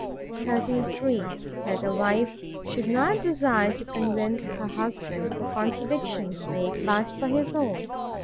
33. That a wife should not desire to convince her husband for CONTRADICTION sake, but for HIS OWN.